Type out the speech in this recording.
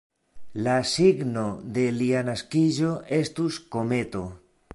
La signo de lia naskiĝo estus kometo.